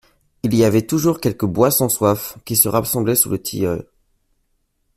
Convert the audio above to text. Il y avait toujours quelques boit-sans-soif qui se rassemblaient sous le tilleul.